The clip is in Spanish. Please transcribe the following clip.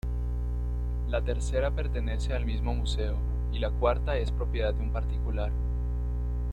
La tercera pertenece al mismo museo y la cuarta es propiedad de un particular.